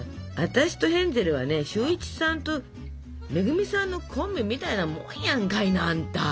私とヘンゼルはね俊一さんと恵さんのコンビみたいなもんやんかいなあんた。